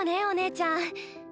お姉ちゃん。